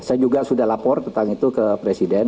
saya juga sudah lapor tentang itu ke presiden